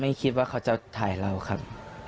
คิดว่าเขาจะถ่ายเราครับ